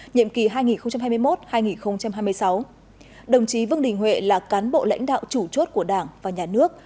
nhiệm kỳ hai nghìn hai mươi một hai nghìn hai mươi sáu đồng chí vương đình huệ là cán bộ lãnh đạo chủ chốt của đảng và nhà nước